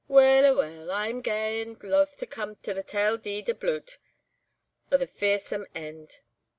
Weel, aweel, I'm gey and loth to come to the tale deed o' bluid, o' the fearsome eend.